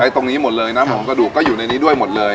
ตรงนี้หมดเลยน้ำหอมกระดูกก็อยู่ในนี้ด้วยหมดเลย